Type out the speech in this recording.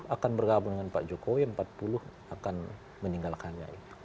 enam puluh akan bergabung dengan pak jokowi empat puluh akan meninggalkan jokowi